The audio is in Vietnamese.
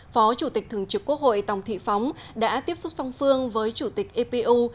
phó chủ tịch thường trực quốc hội tổng thị phóng đã tiếp xúc song phương với chủ tịch ipu